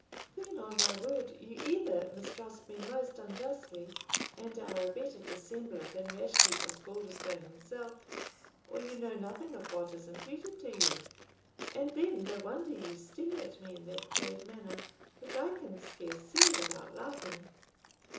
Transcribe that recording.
"Then, on my word, you either mistrust me most unjustly, and are a better dissembler than Rashleigh Osbaldistone himself, or you know nothing of what is imputed to you; and then no wonder you stare at me in that grave manner, which I can scarce see without laughing."